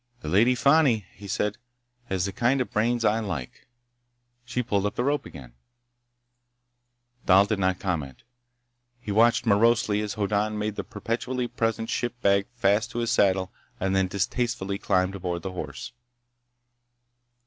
"The Lady Fani," he said, "has the kind of brains I like. She pulled up the rope again." Thal did not comment. He watched morosely as Hoddan made the perpetually present ship bag fast to his saddle and then distastefully climbed aboard the horse.